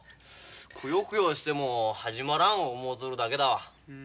くよくよしても始まらん思とるだけだわ。